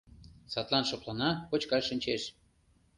Садлан шыплана, кочкаш шинчеш.